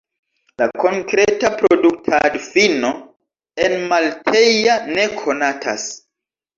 La konkreta produktadfino enmalteja ne konatas.